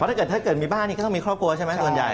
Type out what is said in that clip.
ถ้าเกิดถ้าเกิดมีบ้านนี้ก็ต้องมีครอบครัวใช่ไหมส่วนใหญ่